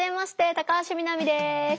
高橋みなみです。